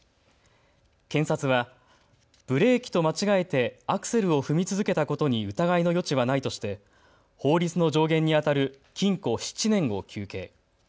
検察はブレーキと間違えてアクセルを踏み続けたことに疑いの余地はないとして法律の上限にあたる禁錮７年を求刑。